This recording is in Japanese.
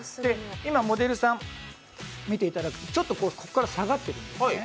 モデルさん、見ていただくとここから下がってるんですね。